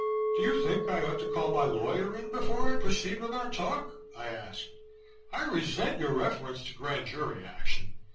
"Do you think I ought to call my lawyer in before I proceed with our talk?" I asked. "I resent your reference to Grand Jury action.